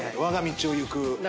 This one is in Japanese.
わが道を行く。